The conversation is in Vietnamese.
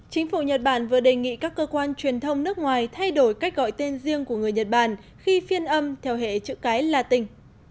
chính phủ nhật bản vừa đề nghị các cơ quan truyền thông nước ngoài thay đổi cách gọi tên riêng của người nhật bản khi phiên âm theo hệ chữ cái latin